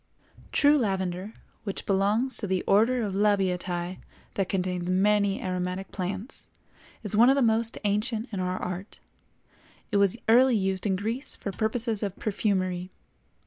True lavender, which belongs to the Order of Labiatæ that contains many aromatic plants, is one of the most ancient in our art; it was early used in Greece for purposes of perfumery.